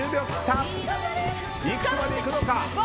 いくつまでいくのか。